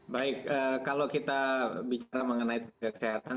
baik kalau kita bicara mengenai kesehatan